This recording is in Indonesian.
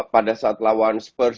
pada saat lawan spurs